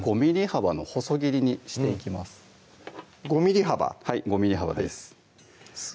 ５ｍｍ幅はい５ｍｍ幅です